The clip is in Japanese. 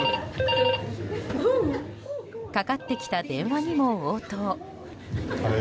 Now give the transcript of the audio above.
かかってきた電話にも、応答。